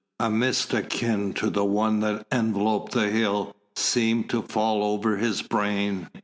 A mist akin to the one that enveloped the hill seemed to fall over his brain.